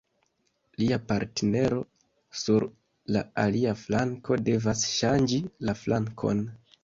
Lia partnero sur la alia flanko devas ŝanĝi la flankon.